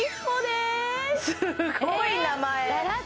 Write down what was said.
すごい名前！